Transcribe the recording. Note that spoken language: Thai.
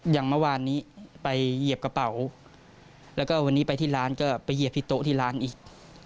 อย่างเมื่อวานนี้ไปเหยียบกระเป๋าแล้วก็วันนี้ไปที่ร้านก็ไปเหยียบที่โต๊ะที่ร้านอีก